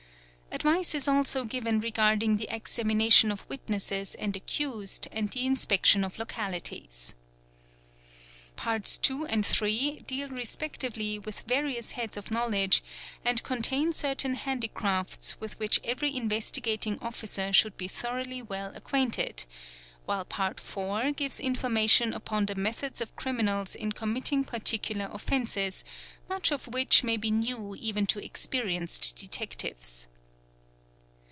Advice is also given regarding the examination of witnesses and accused and the inspection of localities. Parts II. and III. deal respectively with various heads of knowledge and — certain handicrafts with which every Investigating Officer should be thoroughly well acquainted; while Part IV. gives information upon the methods of criminals in committing particular offences, much of which may be new even to experienced detectives.